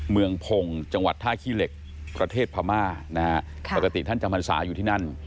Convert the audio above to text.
เมืองพงศ์จังหวัดท่าขี้เหล็กประเทศพม่านะฮะปกติท่านจำพรรษาอยู่ที่นั่น